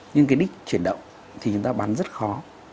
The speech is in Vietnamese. nhưng cái đích chuyển động thì chúng ta bắn rất khó